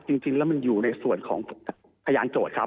จริงแล้วมันอยู่ในส่วนของพยานโจทย์ครับ